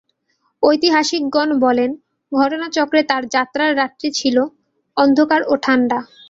ঐতিহাসিকগণ বলেন, ঘটনাচক্রে তার যাত্রার রাতটি ছিল অন্ধকার ও ঠাণ্ডা।